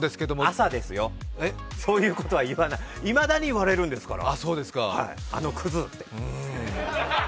朝ですよ、そういうことは言わない、いまだに言われるんですから、あのクズって。